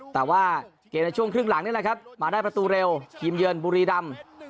แต่ว่าเกมในช่วงครึ่งหลังนี่แหละครับมาได้ประตูเร็วทีมเยือนบุรีดำ